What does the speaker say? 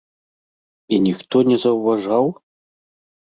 І ніхто не заўважаў?